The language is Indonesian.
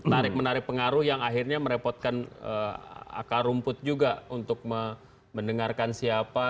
menarik menarik pengaruh yang akhirnya merepotkan akar rumput juga untuk mendengarkan siapa